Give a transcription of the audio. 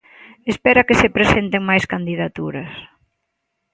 Espera que se presenten máis candidaturas?